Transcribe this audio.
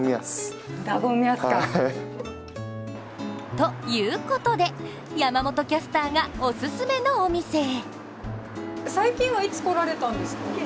ということで、山本キャスターがおすすめのお店へ。